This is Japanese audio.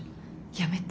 やめて。